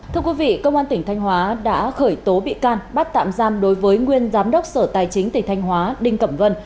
thưa quý vị công an tỉnh thanh hóa đã khởi tố bị can bắt tạm giam đối với nguyên giám đốc sở tài chính tỉnh thanh hóa đinh cẩm vân